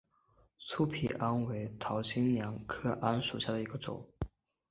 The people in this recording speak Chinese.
粗皮桉为桃金娘科桉属下的一个种。